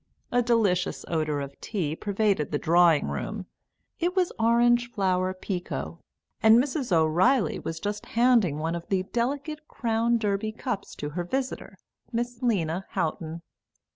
A delicious odour of tea pervaded the drawing room, it was orange flower pekoe, and Mrs. O'Reilly was just handing one of the delicate Crown Derby cups to her visitor, Miss Lena Houghton.